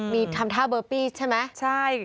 มีทำท่าเบอร์ปี้ใช่ไหมใช่